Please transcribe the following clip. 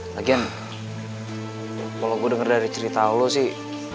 lagian kalau gue denger dari cerita lo sih